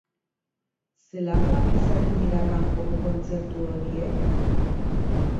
Zelakoak izaten dira kanpoko kontzertu horiek?